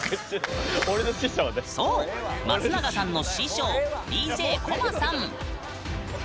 そう、松永さんの師匠ＤＪＣＯ‐ＭＡさん。